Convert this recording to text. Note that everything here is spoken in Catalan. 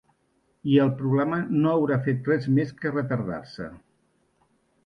I el problema no haurà fet res més que retardar-se.